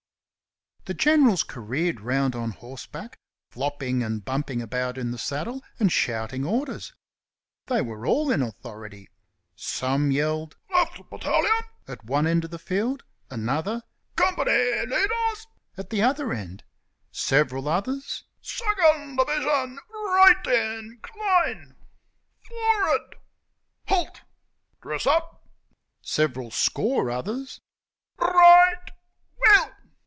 The generals careered round on horseback, flopping and bumping about in the saddle and shouting out orders. They were all in authority. Some yelled "Left batal yarn!" at one end of the field, another "Compa n aay lead ahs!" at the other end. Several others "Second di visharn, r right incline for r ward harlt dress up!" Several score others "R r rightwhee YEL!"